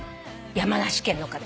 山梨県の方。